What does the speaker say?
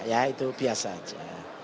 ya itu biasa aja